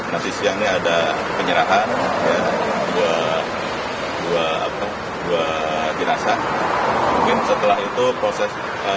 masih siangnya ada penyerahan dua dua apa dua dirasa mungkin setelah itu proses